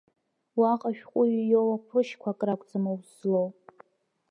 Уаҟа ашәҟәыҩҩы иоуа ҟәрышьқәак ракәӡам аус злоу.